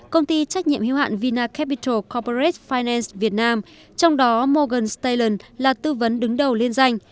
công ty trách nhiệm hiếu hạn vinacapital coperet finance việt nam trong đó morgan stalent là tư vấn đứng đầu liên danh